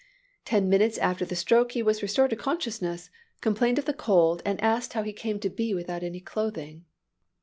Ten minutes after the stroke he was restored to consciousness, complained of the cold, and asked how he came to be without any clothing.